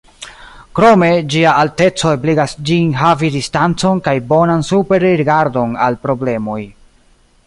Krome, ĝia alteco ebligas ĝin havi distancon kaj bonan superrigardon al problemoj.